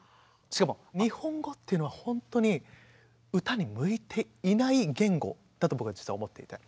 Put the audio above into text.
しかも日本語っていうのはほんとに歌に向いていない言語だと僕は実は思っていて。